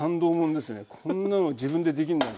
こんなの自分でできるんだ。